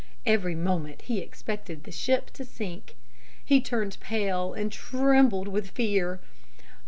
Every moment he expected the ship to sink. He turned pale and trembled with fear.